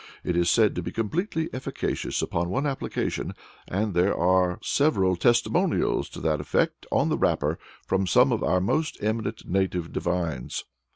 It is said to be completely efficacious upon one application, and there are several testimonials to that effect on the wrapper from some of our most eminent native divines.